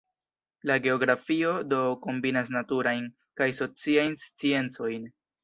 La geografio do kombinas naturajn kaj sociajn sciencojn.